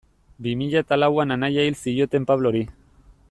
Bi mila eta lauan anaia hil zioten Pablori.